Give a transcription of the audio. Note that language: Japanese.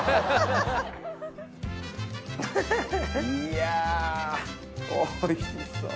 いやおいしそう！